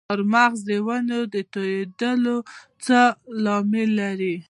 د چهارمغز د ونو توریدل څه لامل لري؟